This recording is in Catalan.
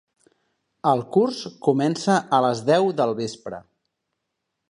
El curs comença a les deu del vespre.